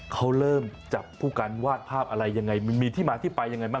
เขาเริ่มจับผู้กันวาดภาพอะไรยังไงมีที่ไปมั้ง